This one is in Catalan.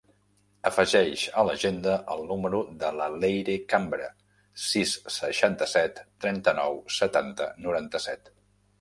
Afegeix a l'agenda el número de la Leyre Cambra: sis, seixanta-set, trenta-nou, setanta, noranta-set.